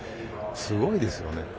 すごいですよね。